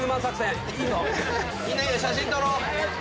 みんな写真撮ろう。